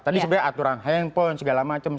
tadi sebenarnya aturan handphone segala macam